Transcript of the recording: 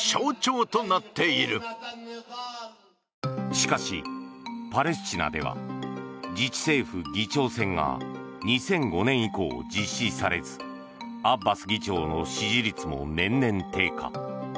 しかしパレスチナでは自治政府議長選が２００５年以降実施されずアッバス議長の支持率も年々低下。